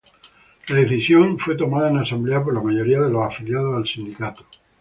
La decisión fue tomada en asamblea por la mayoría de los afiliados al sindicato.